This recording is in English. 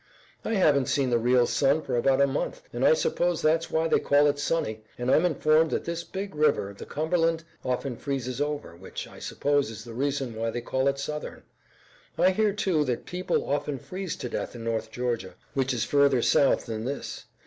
I haven't seen the real sun for about a month, and I suppose that's why they call it sunny, and I'm informed that this big river, the Cumberland, often freezes over, which I suppose is the reason why they call it Southern. I hear, too, that people often freeze to death in North Georgia, which is further south than this.